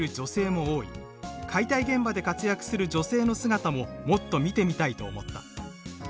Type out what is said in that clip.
解体現場で活躍する女性の姿ももっと見てみたいと思った」